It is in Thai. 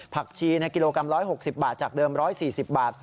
ผักชีกิโลกรัม๑๖๐บาทจากเดิม๑๔๐บาท